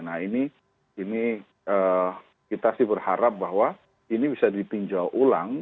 nah ini kita sih berharap bahwa ini bisa ditinjau ulang